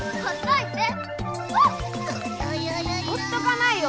ほっとかないよ！